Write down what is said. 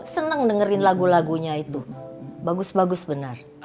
seneng dengerin lagu lagunya itu bagus bagus benar